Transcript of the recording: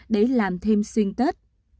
để làm thêm xuyên tết